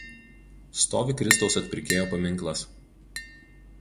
Stovi Kristaus Atpirkėjo paminklas.